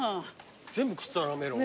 全部食ったなメロン。